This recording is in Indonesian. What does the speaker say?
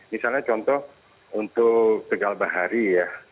misalnya contoh untuk tegal bahari ya